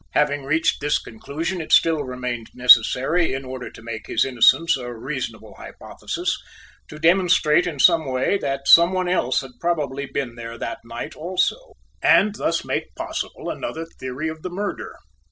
Having reached this conclusion it still remained necessary, in order to make his innocence a reasonable hypothesis, to demonstrate in some way that some one else had probably been there that night also; and thus make possible another theory of the murder.